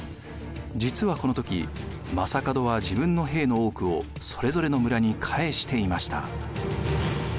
実はこの時将門は自分の兵の多くをそれぞれの村に返していました。